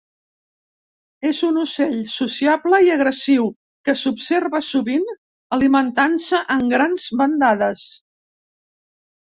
És un ocell sociable i agressiu que s'observa sovint alimentant-se en grans bandades.